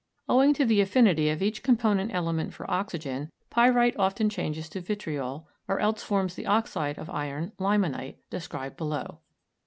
Owing to the affinity of each component element for oxygen, pyrite often changes to vitriol, or else forms the oxide of iron, limonite, described below.